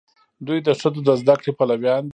دوی د ښځو د زده کړې پلویان دي.